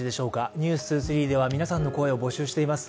「ｎｅｗｓ２３」では皆さんの声を募集しています。